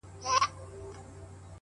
زما د زړه گلونه ساه واخلي؛